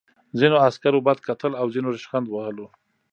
ځینو عسکرو بد کتل او ځینو ریشخند وهلو